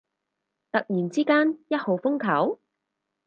突然之間一號風球？